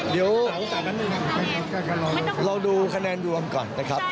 เดี๋ยวเราดูคะแนนรวมก่อนนะครับ